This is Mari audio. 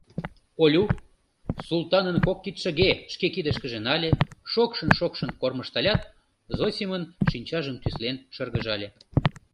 Олю Султанын кок кидшыге шке кидышкыже нале, шокшын-шокшын кормыжталят, Зосимын шинчажым тӱслен шыргыжале.